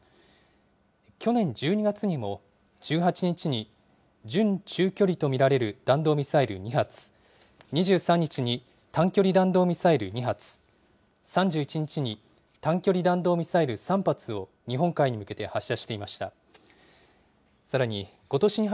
去年１２月にも、１８日に準中距離と見られる弾道ミサイル２発、２３日に短距離弾道ミサイル２発、３１日に短距離弾道ミサイル３発を日本海に向けて発射していました。